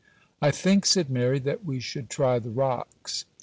'I think,' said Mary, 'that we should try the rocks.